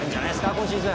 今シーズン。